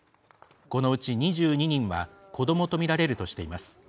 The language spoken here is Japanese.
このうち２２人は子どもとみられるとしています。